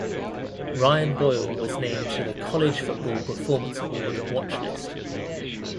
Ryan Boyle was named to the "College Football Performance Award" Watch List.